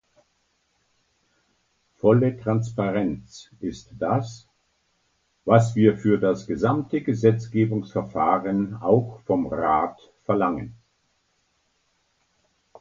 Volle Transparenz ist das, was wir für das gesamte Gesetzgebungsverfahren auch vom Rat verlangen.